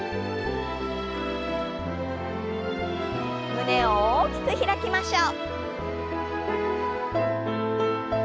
胸を大きく開きましょう。